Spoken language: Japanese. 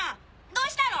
どうしたの？